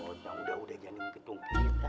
udah mudah udah udah jadikan ketung kita